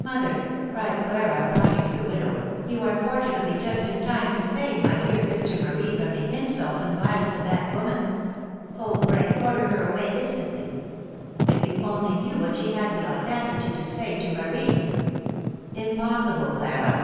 "Mother," cried Clara, pointing to the widow, "you are fortunately just in time to save my dear sister Marie from the insults and violence of that woman. Oh, pray order her away instantly! If you only knew what she had the audacity to say to Marie!" "Impossible, Clara!"